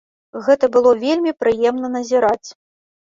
Гэта было вельмі прыемна назіраць.